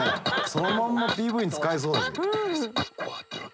そのまんまＰＶに使えそう。